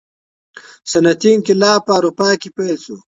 صنعتي انقلاب په اروپا کي پیل سو.